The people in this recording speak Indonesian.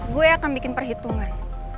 gue akan bikin perhitungan